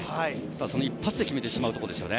そこを一発で決めてしまうというところでしたね。